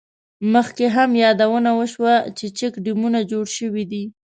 مخکې هم یادونه وشوه، چې چیک ډیمونه جوړ شوي دي.